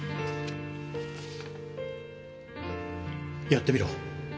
やってみろ。